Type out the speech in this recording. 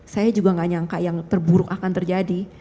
saya juga gak nyangka yang terburuk akan terjadi